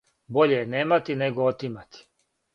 Боље је немати, него отимати.